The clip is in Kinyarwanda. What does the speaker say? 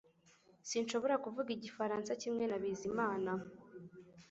Sinshobora kuvuga igifaransa kimwe na Bizimana